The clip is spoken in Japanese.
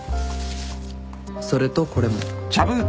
それとこれも。